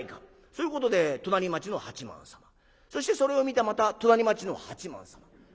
そういうことで隣町の八幡様そしてそれを見たまた隣町の八幡様。